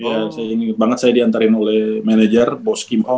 ya saya ingat banget saya diantarin oleh manajer bos kim hong